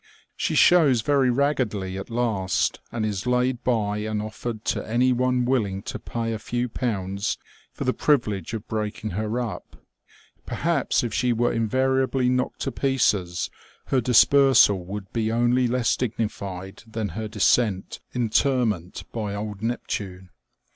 She shows very raggedly at last, and is laid by and offered to any one willing to pay a few pounds for the privilege of breaking her up. Perhaps if she were invariably knocked to pieces her dispersal would be only less dignified than her decent interment by old Neptune.